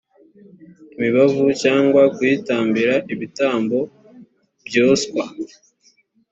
imibavu cyangwa kuyitambira ibitambo byoswa